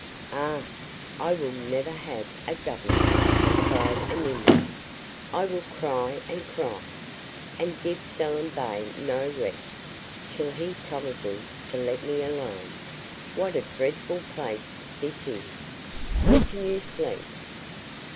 "Ah, I will never have a governess!" cried Amina. "I will cry, and cry, and give Selim Bey no rest till he promises to let me alone. What a dreadful place this is! Where can you sleep?"